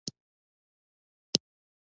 په يو يا دوو کلونو کې سړکونه ورانېږي.